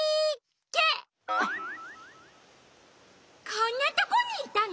こんなとこにいたの？